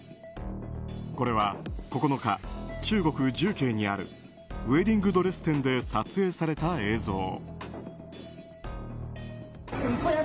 これは９日、中国・重慶にあるウェディングドレス店で撮影された映像。